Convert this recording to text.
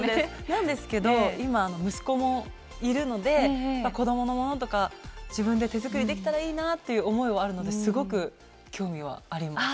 なんですけど今息子もいるので子供のものとか自分で手作りできたらいいなぁという思いはあるのですごく興味はあります。